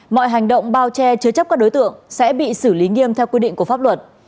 mọi hành động bao che chứa chấp các đối tượng sẽ bị xử lý nghiêm theo quy định của pháp luật